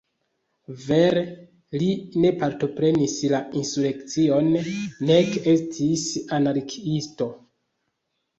Vere li ne partoprenis la insurekcion nek estis anarkiisto.